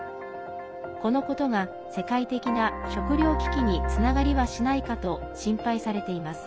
このことが世界的な食料危機につながりはしないかと心配されています。